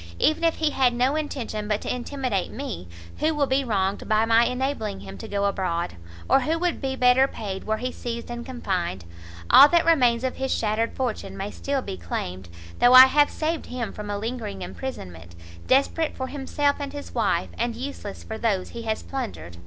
even if he had no intention but to intimidate me, who will be wronged by my enabling him to go abroad, or who would be better paid were he seized and confined? All that remains of his shattered fortune may still be claimed, though I have saved him from a lingering imprisonment, desperate for himself and his wife, and useless for those he has plundered."